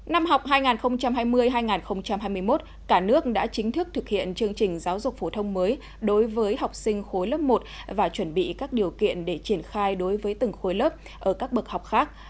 năm học hai nghìn hai mươi hai nghìn hai mươi một cả nước đã chính thức thực hiện chương trình giáo dục phổ thông mới đối với học sinh khối lớp một và chuẩn bị các điều kiện để triển khai đối với từng khối lớp ở các bậc học khác